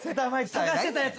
探してたやつ。